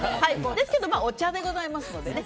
ですけどお茶でございますのでね。